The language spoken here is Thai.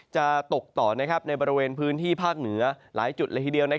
จะตกต่อในบริเวณพื้นที่ภาคเหนือหลายจุดละทีเดียว